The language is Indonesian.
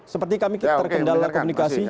seperti kami terkendala komunikasi